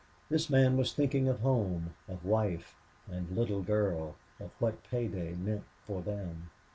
This man was thinking of home, of wife and little girl, of what pay day meant for them.